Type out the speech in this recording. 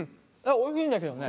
おいしいんだけどね。